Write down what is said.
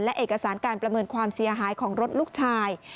และเอกสารการประเมินความเสียหายของรถลูกชาย